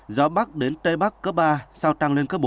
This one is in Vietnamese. gió bắc đến tây bắc cấp ba sau tăng lên cấp bốn